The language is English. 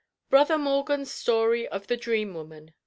BROTHER MORGAN'S STORY of THE DREAM WOMAN.